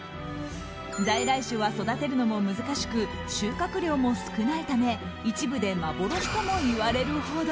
在来種は育てるのも難しく収穫量も少ないため一部で幻ともいわれるほど。